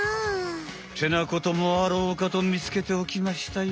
ってなこともあろうかとみつけておきましたよ。